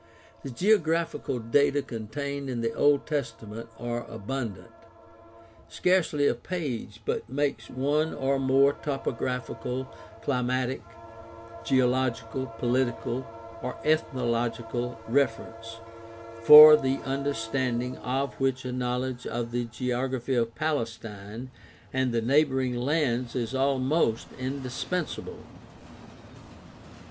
The geographical data contained in the Old Testament are abundant; scarcely a page but makes one or more topographical, climatic, geo logical, political, or ethnological reference, for the under standing of which a knowledge of the geography of Palestine 126 GUIDE TO STUDY OF CHRISTIAN RELIGION and the neighboring lands is almost indispensable.